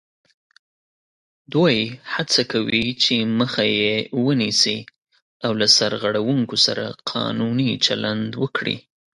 دوی هڅه کوي چې مخه یې ونیسي او له سرغړوونکو سره قانوني چلند وکړي